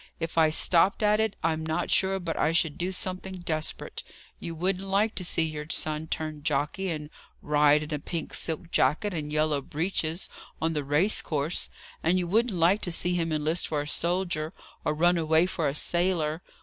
If I stopped at it, I'm not sure but I should do something desperate. You wouldn't like to see your son turn jockey, and ride in a pink silk jacket and yellow breeches on the race course; and you wouldn't like to see him enlist for a soldier, or run away for a sailor!